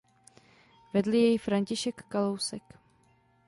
Vedl jej František Kalousek.